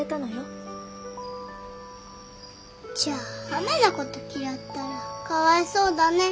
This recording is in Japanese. じゃあ雨の事嫌ったらかわいそうだね。